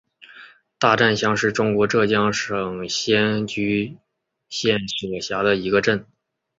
大战乡是中国浙江省仙居县所辖的一个镇。